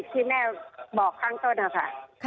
ที่แม่บอกข้างต้นนะคะ